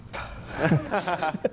アハハハ！